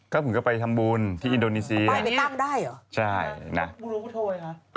ครับผมก็ไปทำบุญที่อินโดนีซีน่ะป้ายในตั้งได้หรอใช่เอาบุญบุรพทธาวะเนี้ย